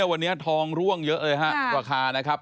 วันนี้ทองร่วงเยอะเลยฮะราคานะครับ